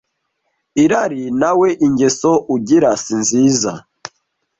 irari nawe ingeso ugira si nziza